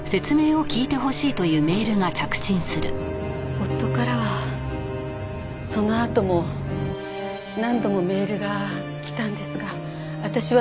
夫からはそのあとも何度もメールが来たんですが私はそれを無視しました。